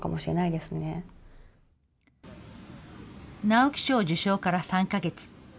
直木賞受賞から３か月。